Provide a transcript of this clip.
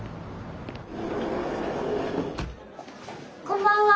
こんばんは。